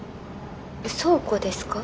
倉庫ですか？